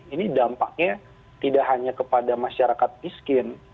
ini dampaknya tidak hanya kepada masyarakat miskin